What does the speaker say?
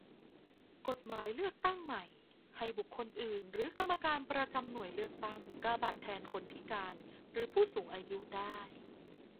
กฎหมายเลือกตั้งใหม่ ให้บุคคลอื่นหรือกรรมการประจำหน่วยเลือกตั้ง กาบัตรแทนคนพิการหรือผู้สูงอายุได้